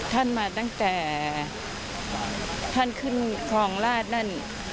ท่านมาตั้งแต่ท่านขึ้นคลองราชนั่น